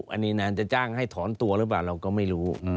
อันนี้นานจะจ้างให้ถอนตัวหรือเปล่าเราก็ไม่รู้